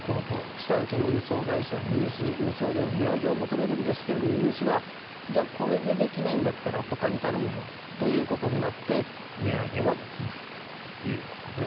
下請けの運送会社は荷主に運送料の値上げを求めるんですが荷主はこれでできないんだったらほかに頼むよということになって値上げはできないということです。